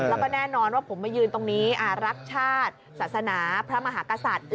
แล้วก็แน่นอนว่าผมมายืนตรงนี้รักชาติศาสนาพระมหากษัตริย์